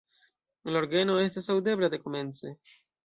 La orgeno estas aŭdebla dekomence.